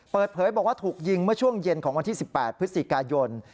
เปิดเผยบอกว่าถูกยิงเมื่อช่วงเย็นของวันที่๑๘พฤศจิกายน